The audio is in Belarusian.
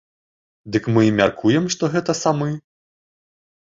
Дык мы і мяркуем, што гэты самы.